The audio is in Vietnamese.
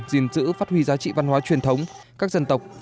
gìn giữ phát huy giá trị văn hóa truyền thống các dân tộc